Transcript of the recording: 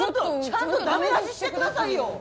ちゃんと駄目出ししてくださいよ！